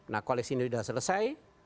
nah koalisi ini sudah selesai